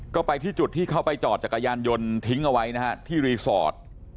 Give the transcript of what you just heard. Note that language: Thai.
ก็ไปที่จุดที่เขาไปจอดจักรยานยนต์ทิ้งเอาไว้นะฮะที่รีสอร์ท